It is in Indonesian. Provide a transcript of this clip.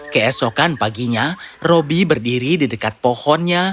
keesokan paginya robi berdiri di dekat pohonnya